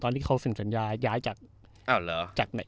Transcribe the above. ตอนที่เขาสินสัญญาย้ายจาก